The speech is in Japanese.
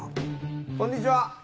こんにちは。